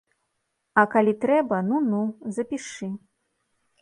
А калі трэба, ну-ну, запішы.